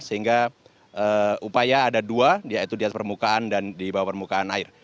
sehingga upaya ada dua yaitu di atas permukaan dan di bawah permukaan air